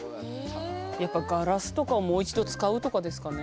やっぱガラスとかをもう一度使うとかですかね。